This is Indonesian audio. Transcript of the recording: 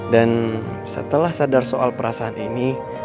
setelah sadar soal perasaan ini